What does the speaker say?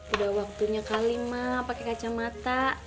udah waktunya kali mak pake kacamata